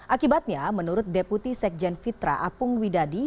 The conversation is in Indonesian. akibatnya menurut deputi sekjen fitra apung widadi